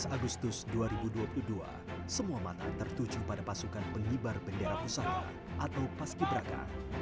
tujuh belas agustus dua ribu dua puluh dua semua mata tertuju pada pasukan pengibar bendera pusaka atau paski braka